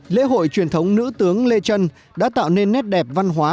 lễ hội truyền thống nữ tướng lê trân đã tạo nên nét đẹp văn hóa